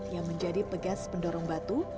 yang menjadi pegas pendorong batu